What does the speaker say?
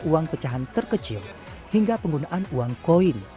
uang pecahan terkecil hingga penggunaan uang koin